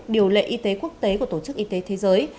điều lệ y tế quốc tế của tổ chức y tế thế giới